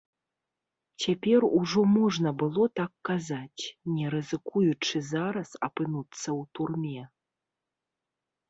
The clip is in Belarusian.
Цяпер ужо можна было так казаць, не рызыкуючы зараз апынуцца ў турме.